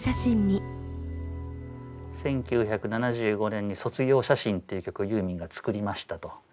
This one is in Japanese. １９７５年に「卒業写真」っていう曲をユーミンが作りましたと。